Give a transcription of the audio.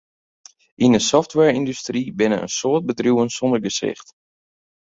Yn 'e softwareyndustry binne in soad bedriuwen sonder gesicht.